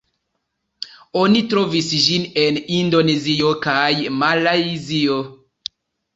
Oni trovis ĝin en Indonezio kaj Malajzio.